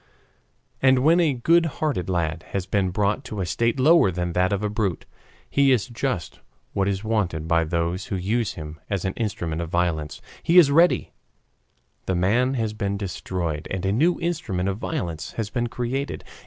And when a good hearted lad has been brought to a state lower than that of a brute, he is just what is wanted by those who use him as an instrument of violence. He is ready; the man has been destroyed and a new instrument of violence has been created.